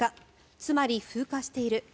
つまり、風化している。